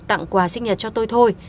tặng quà sinh nhật cho tôi thôi